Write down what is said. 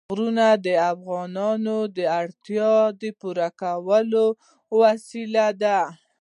غرونه د افغانانو د اړتیاوو د پوره کولو وسیله ده.